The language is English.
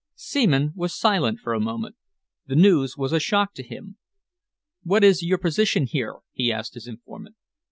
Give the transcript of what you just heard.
Seaman was silent for a moment. The news was a shock to him. "What is your position here?" he asked his informant.